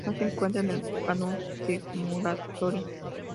No se encuentra en el canon de Muratori.